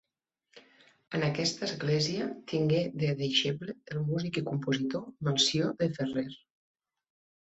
En aquesta església tingué de deixeble el músic i compositor Melcior de Ferrer.